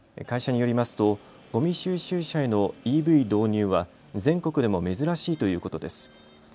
会社によりますとごみ収集車へのＥＶ導入は全国でも珍しいということです。